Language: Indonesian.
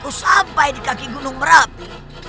aku sampai di kaki gunung merapi